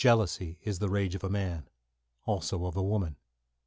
Jealousy is the rage of a man, also of a woman.